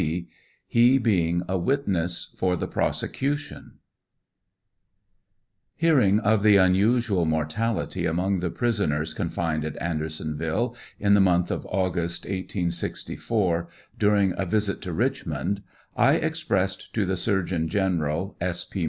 C, he being a witness for the prosecution: ''Hearing of the unusual mortality among the prisoners confined at Andersonville, in the month of August, 1864, during a visit to Richmond, I expressed to the Surgeon General, S. P.